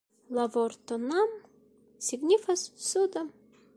La vorto "nam" signifas 'suda'.